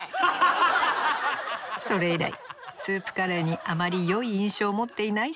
それ以来スープカレーにあまりよい印象を持っていないさんまさん。